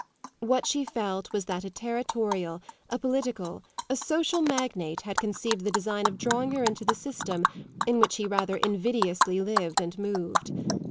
What she felt was that a territorial, a political, a social magnate had conceived the design of drawing her into the system in which he rather invidiously lived and moved.